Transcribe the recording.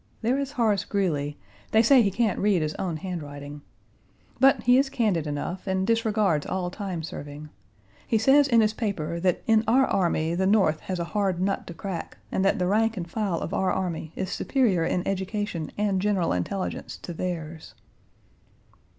There is Horace Greeley: they say he can't read his own handwriting. But, he is candid enough and disregards all time serving. He says in his paper that in our army the North has a hard nut to crack, and that the rank and file of our army is superior in education and general intelligence to theirs.